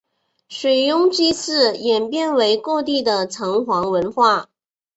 水庸祭祀演变为各地的城隍文化。